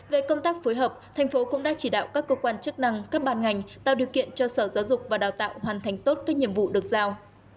về công tác phối hợp thành phố cũng đã chỉ đạo các cơ quan chức năng các bàn ngành tạo điều kiện cho sở giáo dục và đào tạo hoàn thành tốt các nhiệm vụ được giao